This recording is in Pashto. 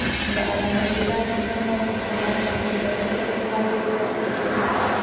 د علامه رشاد لیکنی هنر مهم دی ځکه چې پایلې تحلیل کوي.